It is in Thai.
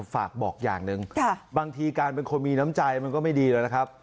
ฝากบอกอย่างหนึ่งบางทีการเป็นคนมีน้ำใจมันก็ไม่ดีแล้วนะครับ